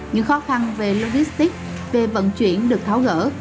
những khó khăn về logistics về vận chuyển được tháo gỡ